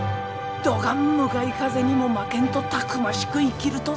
どがん向かい風にも負けんとたくましく生きるとぞ。